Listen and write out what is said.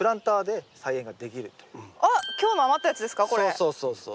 そうそうそうそう。